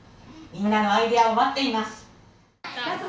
みんなのアイデアを待っています。